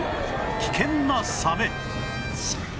危険なサメ